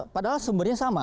padahal sumbernya sama